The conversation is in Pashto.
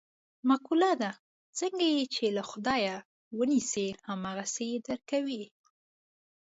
مقوله ده: څنګه یې چې له خدایه و نیسې هم هغسې یې در کوي.